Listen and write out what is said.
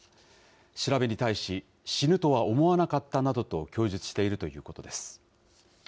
調べに対し、死ぬとは思わなかったなどと供述しているということです。